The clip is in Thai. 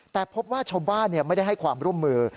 แต่พบว่าชาวบ้านไม่ได้ให้ความร่วมมือ